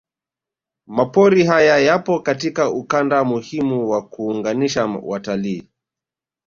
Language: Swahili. Mapori haya yapo katika ukanda muhimu wa kuunganisha watalii